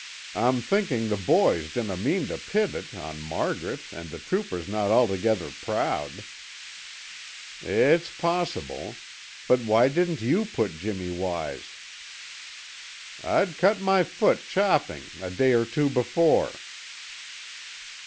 "I'm thinking the boys dinna mean to pit it on Margaret and the trooper's no' altogether prood." "It's possible. But why didn't you put Jimmy wise?" "I'd cut my foot chopping, a day or two before."